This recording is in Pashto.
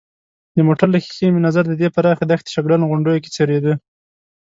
د موټر له ښېښې مې نظر د دې پراخې دښتې شګلنو غونډیو کې څرېده.